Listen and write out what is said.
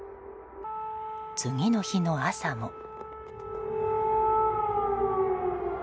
次の日の朝も。